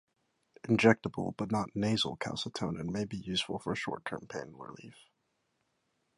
Injectable but not nasal calcitonin may be useful for short term pain relief.